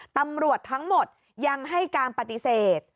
ตำรวจทั้งหมดยังให้การปฏิเสธ